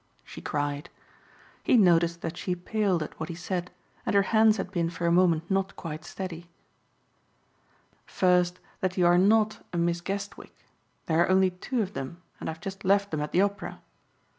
she cried. He noticed that she paled at what he said and her hands had been for a moment not quite steady. "First that you are not a Miss Guestwick. There are only two of them and I have just left them at the Opera.